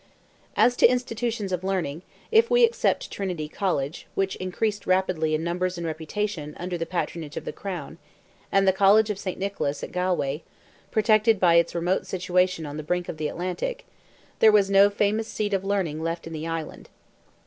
As to institutions of learning, if we except Trinity College, which increased rapidly in numbers and reputation under the patronage of the Crown, and the College of Saint Nicholas, at Galway—protected by its remote situation on the brink of the Atlantic—there was no famous seat of learning left in the island.